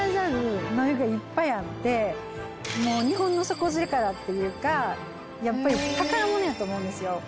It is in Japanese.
もう日本の底力っていうかやっぱり宝物やと思うんですよ。